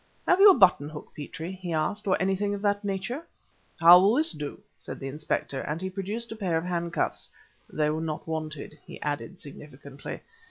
"Have you a button hook, Petrie," he asked, "or anything of that nature?" "How will this do?" said the Inspector, and he produced a pair of handcuffs. "They were not wanted," he added significantly.